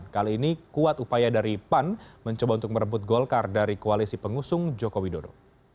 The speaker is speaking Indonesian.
kali ini kuat upaya dari pan mencoba untuk merebut golkar dari koalisi pengusung joko widodo